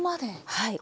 はい。